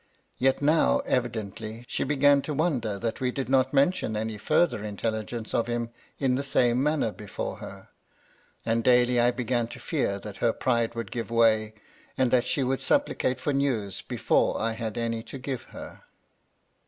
Yet now, evidently, she began to wonder that we did not mention any further intelligence of him in the same manner before her ; and daily I began to fear that her pride would give way, and that she would supplicate for news before I had any to give her.